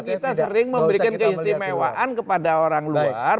kita sering memberikan keistimewaan kepada orang luar